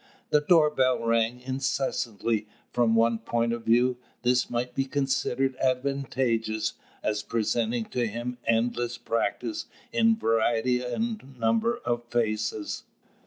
The door bell rang incessantly. From one point of view, this might be considered advantageous, as presenting to him endless practice in variety and number of faces.